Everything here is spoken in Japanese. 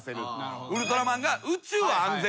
ウルトラマンが。